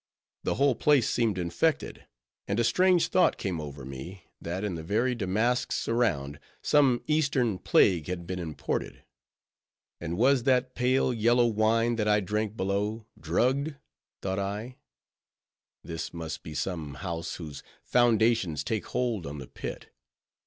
The whole place seemed infected; and a strange thought came over me, that in the very damasks around, some eastern plague had been imported. And was that pale yellow wine, that I drank below, drugged? thought I. This must be some house whose foundations take hold on the pit.